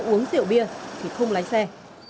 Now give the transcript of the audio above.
uống rượu bia thì không lái xe